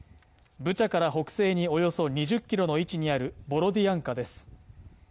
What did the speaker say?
ブチャから北西におよそ２０キロの位置にあるボロディアンカです